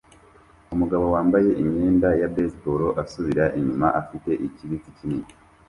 Umugabo wambaye imyenda ya baseball asubira inyuma afite ikibiriti kinini